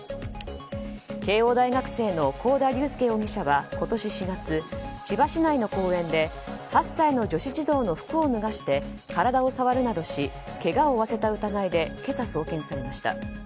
慶應大学生の幸田龍祐容疑者は今年４月、千葉市内の公園で８歳の女子児童の服を脱がして、体を触るなどしけがを負わせた疑いで今朝、送検されました。